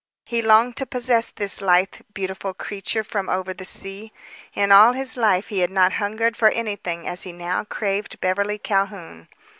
He longed to possess this lithe, beautiful creature from over the sea. In all his life he had not hungered for anything as he now craved Beverly Calhoun.